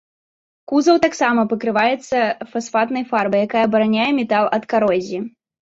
Кузаў таксама пакрываецца фасфатнай фарбай, якая абараняе метал ад карозіі.